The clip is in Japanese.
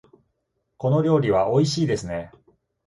この料理はおいしいですね。